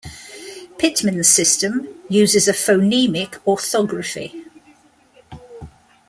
Pitman's system uses a phonemic orthography.